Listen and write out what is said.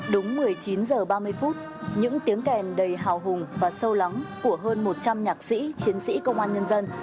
đúng một mươi chín h ba mươi phút những tiếng kèn đầy hào hùng và sâu lắng của hơn một trăm linh nhạc sĩ chiến sĩ công an nhân dân